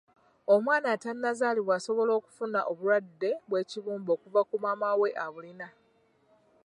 Omwana atannazaalibwa asobola okufuna obulwadde bw'ekibumba okuva ku maama we abulina.